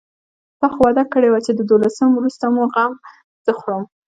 تا خو وعده کړې وه چې د دولسم وروسته مو غم زه خورم.